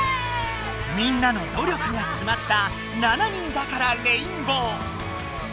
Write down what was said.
みんなの努力がつまった「七人だからレインボー」。